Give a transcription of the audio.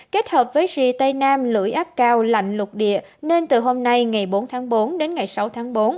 kết hợp với rìa tây nam lưỡi áp cao lạnh lục địa nên từ hôm nay ngày bốn tháng bốn đến ngày sáu tháng bốn